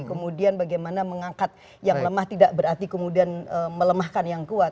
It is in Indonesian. kemudian bagaimana mengangkat yang lemah tidak berarti kemudian melemahkan yang kuat